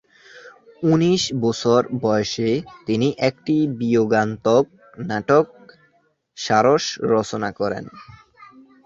উনিশ বছর বয়সে তিনি একটি বিয়োগান্তক নাটক "সারস" রচনা করেন।